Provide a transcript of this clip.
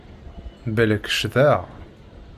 Balak ccḍeɣ.